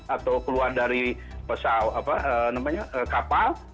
atau keluar dari kapal